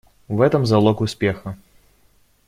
В этом залог успеха.